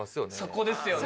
そこですよね。